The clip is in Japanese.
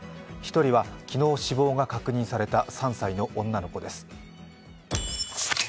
１人は昨日死亡が確認された３歳の女の子です。